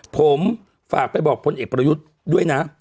ผมฝากไปบอกพลเอกประยุทธ์ด้วยนะ